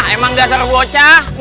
emang dasar bocah